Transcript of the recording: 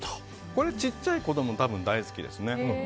これ小さい子供多分大好きですね。